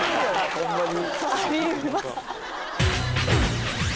ホンマに。